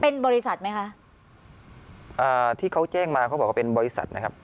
เป็นบริษัทไหมคะอ่าที่เขาแจ้งมาเขาบอกว่าเป็นบริษัทนะครับ